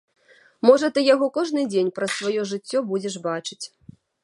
Можа ты яго кожны дзень праз сваё жыццё будзеш бачыць.